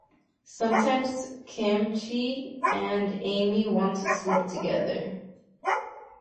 Sometimes, Kim Chi and Amy want to sleep together.